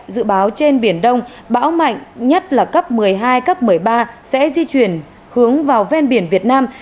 dự báo trên biển đông bão mạnh nhất là cấp một mươi hai cấp một mươi ba sẽ di chuyển hướng vào ven biển việt nam